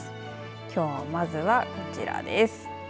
きょうまずはこちらです。